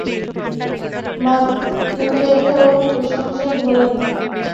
মার মুখে তো প্রশংসা ধরে না।